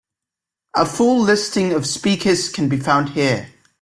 A full listing of speakers can be found here.